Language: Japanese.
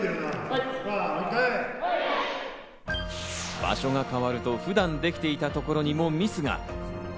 場所が変わると、普段できていたところにもミスが。